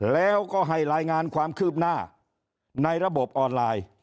แล้วก็ให้รายงานความคืบหน้าในระบบออนไลน์